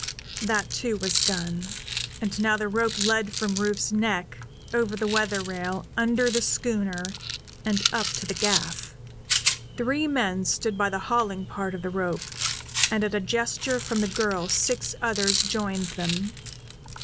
That, too, was done, and now the rope led from Rufe's neck, over the weather rail, under the schooner, and up to the gaff. Three men stood by the hauling part of the rope, and at a gesture from the girl six others joined them.